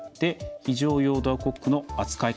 非常用ドアコックの扱い方。